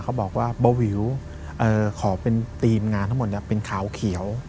เขาบอกว่าเบาวิวขอเป็นทีมงานทั้งหมดเป็นขาวเขียว